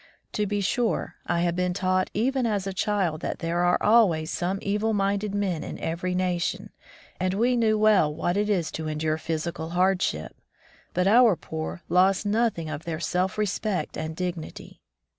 To be sure, I had been taught even as a child that there are always some evil minded men in every nation, and we knew well what it is to endure physical hardship, but our poor lost nothing of their self respect and dignity.